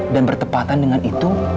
dan bertepatan dengan itu